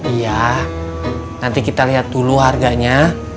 iya nanti kita lihat dulu harganya